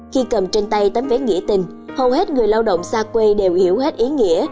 khi cầm trên tay tấm vé nghĩa tình hầu hết người lao động xa quê đều hiểu hết ý nghĩa